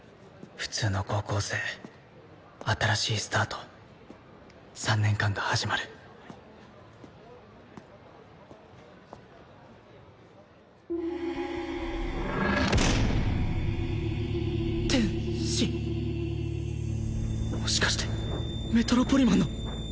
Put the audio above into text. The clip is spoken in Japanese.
普通の高校生新しいスタート３年間が始まる天使もしかしてメトロポリマンの！